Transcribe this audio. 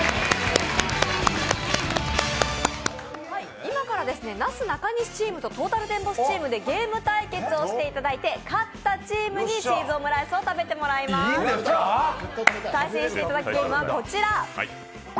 今から、なすなかにしチームとトータルテンボスチームでゲーム対決をしていただいて勝ったチームにチーズオムライスを食べてもらいます、対戦していただくゲームはこちら。